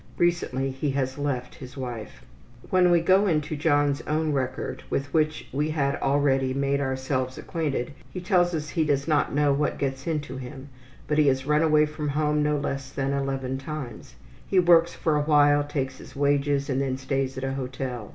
Recently he has left his wife. When we go into John's own record, with which we had already made ourselves acquainted, he tells us he does not know what gets into him, but he has run away from home no less than eleven times. He works for a while, takes his wages and then stays at a hotel.